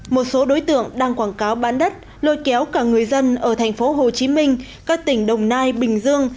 một số đối tượng đang quảng cáo bán đất lôi kéo cả người dân ở thành phố hồ chí minh các tỉnh đồng nai bình dương